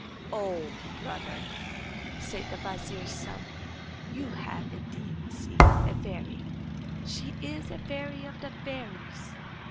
"Oh, brother," said the vizier's son, "you have indeed seen a fairy. She is a fairy of the fairies.